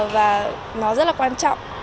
và nó rất là quan trọng